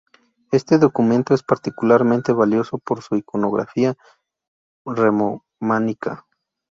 Este documento es particularmente valioso por su iconografía prerrománica.